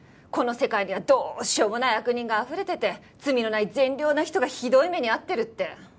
この世界にはどうしようもない悪人があふれてて罪のない善良な人がひどい目に遭ってるって。